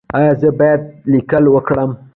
ایا زه باید لیکل وکړم؟